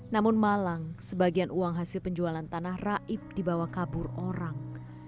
namun malang sebagian uang hasil penjualan tanah raib dibawa kabur orang